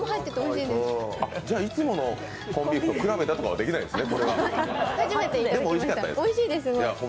いつものコンビーフと比べたとかはできないですね。